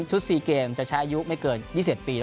๔เกมจะใช้อายุไม่เกิน๒๐ปี